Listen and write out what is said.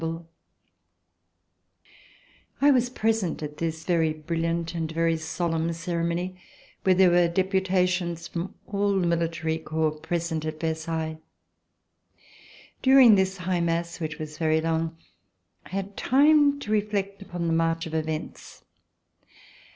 VERSAILLES INVADED BY THE MOB I was present at this very brilliant and very solemn ceremony where there were deputations from all the military corps present at Versailles. During this high mass, which was very long, I had time to reflect upon the march of events.